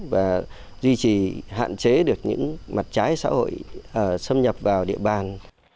và duy trì hạn chế được những mặt trái xã hội xâm nhập vào địa bàn